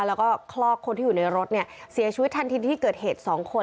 แล้วก็คลอกคนที่อยู่ในรถเนี่ยเสียชีวิตทันทีที่เกิดเหตุ๒คน